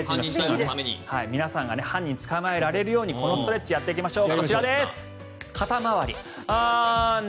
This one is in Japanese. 皆さんが犯人を捕まえられるようにこのストレッチをやっていきましょう。